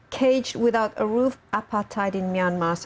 kabur tanpa ruang kebanyakan di rahim state di myanmar